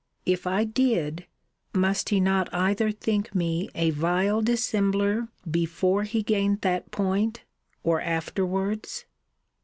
If I did, must he not either think me a vile dissembler before he gained that point, or afterwards?